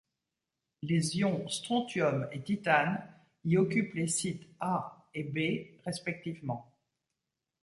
Les ions strontium et titane y occupent les sites A et B respectivement.